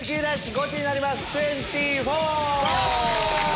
ゴチになります！